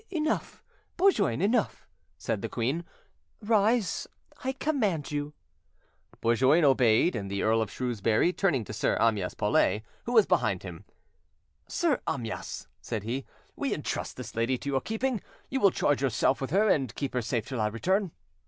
"Enough, Bourgoin, enough," said the queen; "rise, I command you." Bourgoin obeyed, and the Earl of Shrewsbury, turning to Sir Amyas Paulet, who was behind him— "Sir Amyas," said he, "we entrust this lady to your keeping: you will charge yourself with her, and keep her safe till our return."